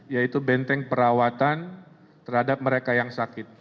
yaitu benteng perawatan terhadap mereka yang sakit